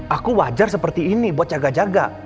aku wajar seperti ini buat jaga jaga